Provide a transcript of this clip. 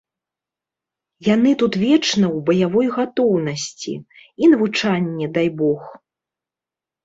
Яны тут вечна ў баявой гатоўнасці, і навучанне дай бог.